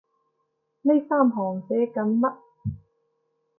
呢三行寫緊乜？